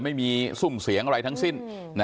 ไม่มีซุ่มเสียงอะไรทั้งสิ้น